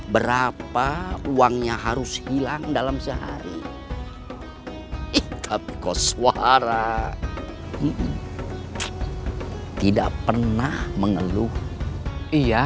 berapa uangnya harus hilang dalam sehari tapi kos suara tidak pernah mengeluh iya